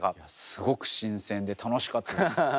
すごく新鮮で楽しかったです。